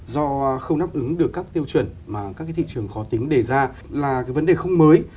do không nắp ứng được các tiêu chuẩn mà các thị trường khó tính đề ra là vấn đề không mới